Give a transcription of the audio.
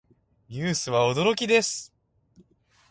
ニュースは驚きです。